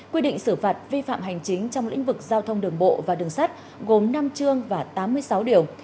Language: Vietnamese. quy định xử phạt vi phạm hành chính trong lĩnh vực giao thông đường bộ và đường sắt gồm năm chương và tám mươi sáu điều